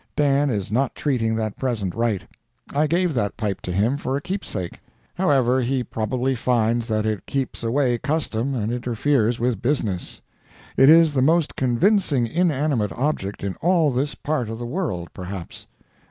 Dan is not treating that present right. I gave that pipe to him for a keepsake. However, he probably finds that it keeps away custom and interferes with business. It is the most convincing inanimate object in all this part of the world, perhaps.